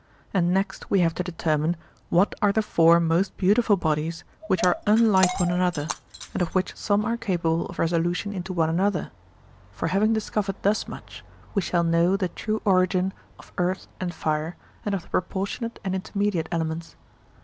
And next we have to determine what are the four most beautiful bodies which are unlike one another, and of which some are capable of resolution into one another; for having discovered thus much, we shall know the true origin of earth and fire and of the proportionate and intermediate elements.